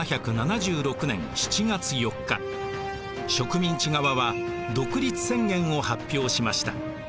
植民地側は独立宣言を発表しました。